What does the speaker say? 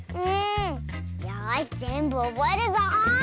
よしぜんぶおぼえるぞ！